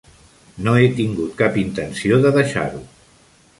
No he tingut cap intenció de deixar-ho.